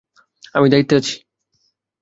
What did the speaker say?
আমিই দায়িত্বে আছি।